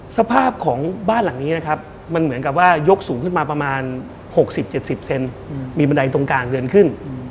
สภาพของบ้านหลังนี้นะครับมันเหมือนกับว่ายกสูงขึ้นมาประมาณ๖๐๗๐เซนมีบันไดตรงกลางเดินขึ้น